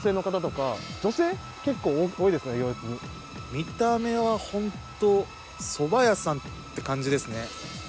見た目は本当そば屋さんって感じですね。